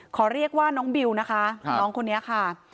ขอเรียกว่าน้องบิวนะคะน้องคนนี้ค่ะ